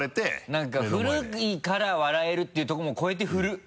何か古いから笑えるっていうとこも超えて古い！